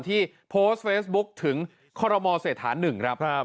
ที่โพสต์เฟซบุ๊คถึงคอรมอเศรษฐา๑ครับ